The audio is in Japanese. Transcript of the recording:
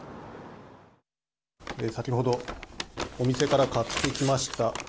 先ほどお店から買ってきました。